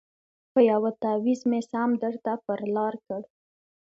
په یوه تعویذ مي سم درته پر لار کړ